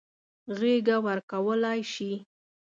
غېږه ورکولای شي.